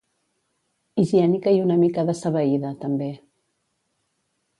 Higiènica i una mica dessabeïda, també.